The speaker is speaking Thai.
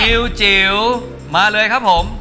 จิ๋วมาเลยครับผม